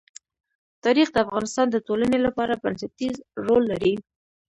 تاریخ د افغانستان د ټولنې لپاره بنسټيز رول لري.